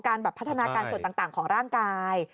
แบบพัฒนาการส่วนต่างของร่างกาย